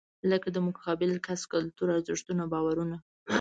لکه د مقابل کس کلتور، ارزښتونه، باورونه .